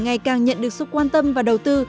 ngày càng nhận được sự quan tâm và đầu tư